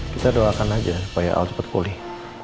kita doakan aja supaya al cepat pulih